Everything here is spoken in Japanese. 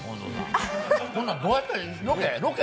こんなんどうやったロケ？